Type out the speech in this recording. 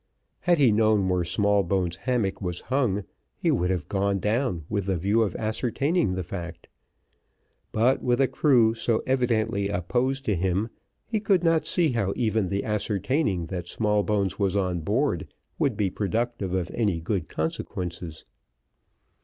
Had he known where Smallbones' hammock was hung, he would have gone down with the view of ascertaining the fact; but with a crew so evidently opposed to him, he could not see how even the ascertaining that Smallbones was on board, would be productive of any good consequences.